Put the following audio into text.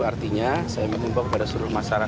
artinya saya mengimbau kepada seluruh masyarakat